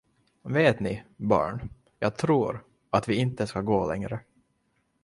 Vet ni, barn, jag tror, att vi inte ska gå längre.